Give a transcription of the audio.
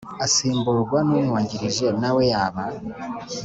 Asimburwa n umwungirije nawe yaba